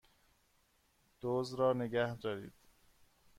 دزد را نگهدارید!